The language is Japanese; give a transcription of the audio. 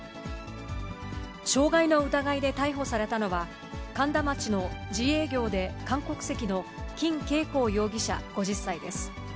傷害の疑いで逮捕されたのは、苅田町の自営業で韓国籍の金慶こう容疑者５０歳です。